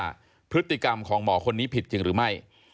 ว่าพฤติกรรมของหมอคนนี้ผิดจริงหรือไม่